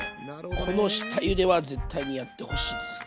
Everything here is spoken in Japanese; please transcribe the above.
この下ゆでは絶対にやってほしいですね。